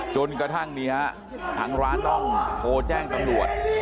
จนกระทั่งนี้ทางร้านต้องโทรแจ้งตำรวจ